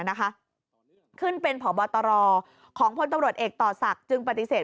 นะคะขึ้นเป็นผอบตรของพลตำรวจเอกต่อศักดิ์จึงปฏิเสธ